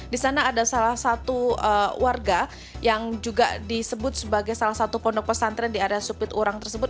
di sana ada salah satu warga yang juga disebut sebagai salah satu pondok pesantren di area supiturang tersebut